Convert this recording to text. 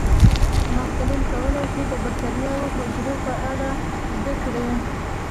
محصلین کولی شي د بکټریايي حجرو په اړه زده کړي.